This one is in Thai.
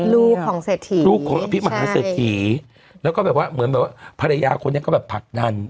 ลูกของอภิมฮาเสถีย์แล้วก็แบบว่าเหมือนแบบว่าภรรยาคนนี้ก็แบบผัดดัน